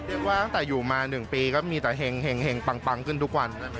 เรียกว่าตั้งแต่อยู่มา๑ปีก็มีแต่เห็งปังขึ้นทุกวัน